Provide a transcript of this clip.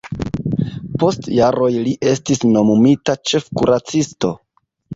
Post jaroj li estis nomumita ĉefkuracisto.